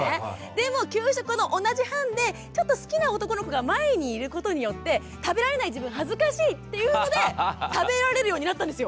でも給食の同じ班でちょっと好きな男の子が前にいることによって食べられない自分恥ずかしいっていうので食べられるようになったんですよ。